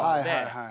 はい。